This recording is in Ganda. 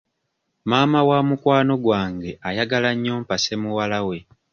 Maama wa mukwano gwange ayagala nnyo mpase muwala we.